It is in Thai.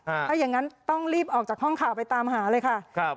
ถ้าอย่างงั้นต้องรีบออกจากห้องข่าวไปตามหาเลยค่ะครับ